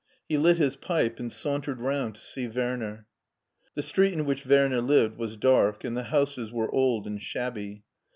He lit his pipe and sauntered round to see Wemtr. The street ki which Werner lived was dark and the houses were old and shabby.